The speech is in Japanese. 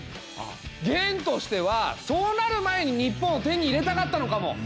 元としてはそうなる前に日本を手に入れたかったのかも！